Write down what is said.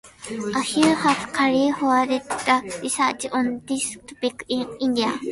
A few have carry forwarded the research on this topic in India.